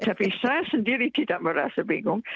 tapi saya sendiri tidak merasa bingung